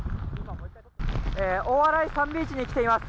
大洗サンビーチに来ています。